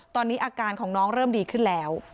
ตอนนี้อาการของน้องเริ่มดีขึ้นแล้ว